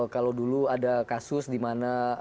kalau dulu ada kasus dimana